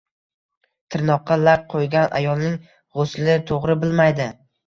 Tirnoqqa lak qo‘ygan ayolning g‘usli to‘g‘ri bo‘lmaydi.